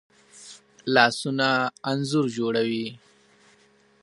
لاسونه انځور جوړوي